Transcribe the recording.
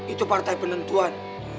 itu partai penentuan